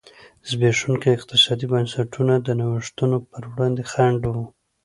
زبېښونکي اقتصادي بنسټونه د نوښتونو پر وړاندې خنډ و.